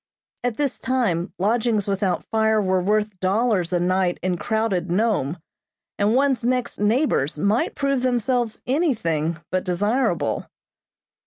At this time lodgings without fire were worth dollars a night in crowded Nome, and one's next neighbors might prove themselves anything but desirable.